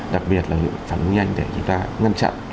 đặc biệt là phản ứng nhanh để chúng ta ngăn chặn